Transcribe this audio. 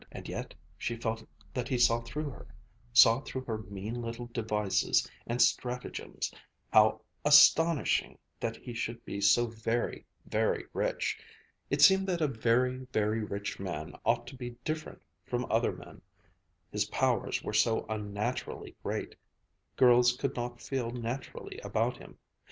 and yet she felt that he saw through her, saw through her mean little devices and stratagems how astonishing that he should be so very, very rich it seemed that a very, very rich man ought to be different from other men his powers were so unnaturally great girls could not feel naturally about him